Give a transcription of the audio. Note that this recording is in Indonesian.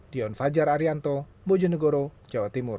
dion fajar arianto bojonegoro jawa timur